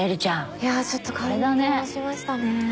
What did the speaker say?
いやちょっと感動しましたね。